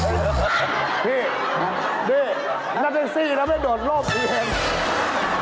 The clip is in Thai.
พี่นี่นัตเตอร์ซี่แล้วไม่โดดลบพี่เห็น